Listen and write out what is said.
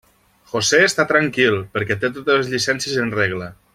José està tranquil, perquè té totes les llicències en regla.